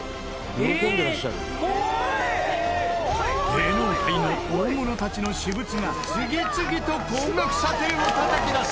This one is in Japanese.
芸能界の大物たちの私物が次々と高額査定をたたき出す！